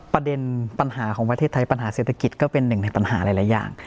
ประเด็นปัญหาของประเทศไทยปัญหาเศรษฐกิจก็เป็นหนึ่งในปัญหาหลายอย่าง